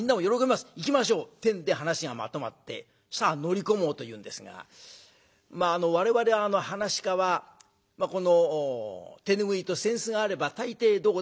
行きましょう」ってんで話がまとまってさあ乗り込もうというんですがまあ我々噺家はこの手拭いと扇子があれば大抵どこでも行くんです。